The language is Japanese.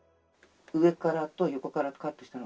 上からと横からカットしたのが。